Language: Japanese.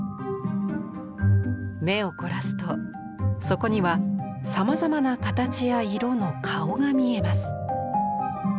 目を凝らすとそこにはさまざまな形や色の顔が見えます。